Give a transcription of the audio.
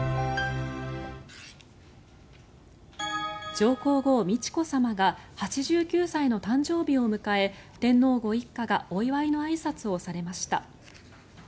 上皇后・美智子さまが８９歳の誕生日を迎え天皇ご一家がお祝いのあいさつをされました。